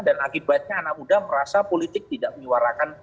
dan akibatnya anak muda merasa politik tidak menyuarakan